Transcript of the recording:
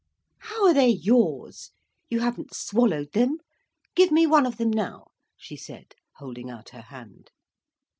"How are they yours! You haven't swallowed them. Give me one of them now," she said, holding out her hand.